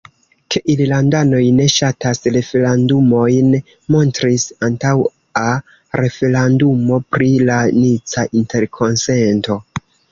Ke irlandanoj ne ŝatas referendumojn, montris antaŭa referendumo pri la nica interkonsento.